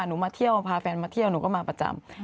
หนูมาเที่ยวพาแฟนมาเที่ยวหนูก็มาประจำ